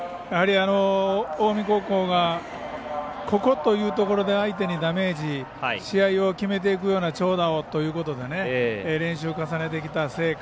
近江高校がここというところで相手にダメージ試合を決めていくような長打をということで練習を重ねてきた成果